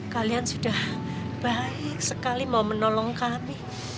kalian sudah baik sekali mau menolong kami